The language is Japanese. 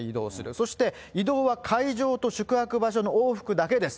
そして移動は会場と宿泊場所の往復だけです。